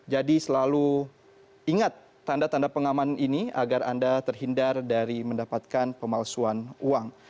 jadi selalu ingat tanda tanda pengaman ini agar anda terhindar dari mendapatkan pemalsuan uang